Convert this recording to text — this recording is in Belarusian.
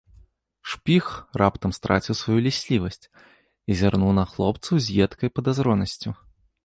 Шпіг раптам страціў сваю ліслівасць і зірнуў на хлопцаў з едкай падазронасцю.